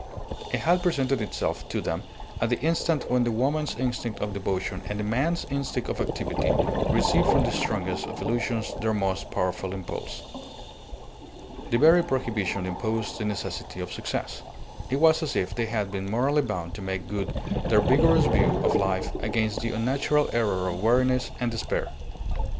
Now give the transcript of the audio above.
It had presented itself to them at the instant when the woman's instinct of devotion and the man's instinct of activity receive from the strongest of illusions their most powerful impulse. The very prohibition imposed the necessity of success. It was as if they had been morally bound to make good their vigorous view of life against the unnatural error of weariness and despair.